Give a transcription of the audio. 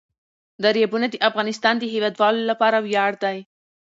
دریابونه د افغانستان د هیوادوالو لپاره ویاړ دی.